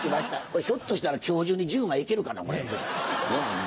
これひょっとしたら今日中に１０枚行けるかな？